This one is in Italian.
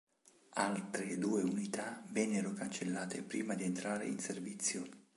Altre due unità vennero cancellate prima di entrare in servizio.